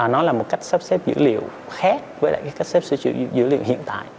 nó là một cách sắp xếp dữ liệu khác với lại cách xếp dữ liệu hiện tại